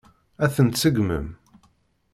Ad ten-tseggmem?